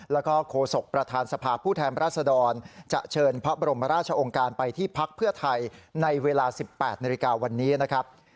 แล้วก็โฆษกประธานสภาพผู้แทนรัศดรจะเชิญพระบรมราชองค์การไปที่พักเพื่อไทยในเวลา๑๘นาฬิกาวันนี้นะครับ